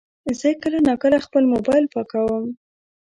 زه کله ناکله خپل موبایل پاکوم.